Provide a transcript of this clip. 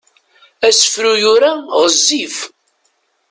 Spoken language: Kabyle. Asefru yura ɣezzif.